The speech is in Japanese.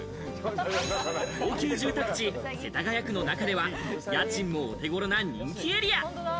高級住宅地、世田谷区の中では家賃もお手ごろな人気エリア。